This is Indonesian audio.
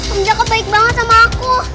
om jako baik banget sama aku